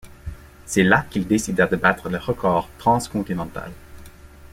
C'est là qu'il décida de battre le record transcontinental.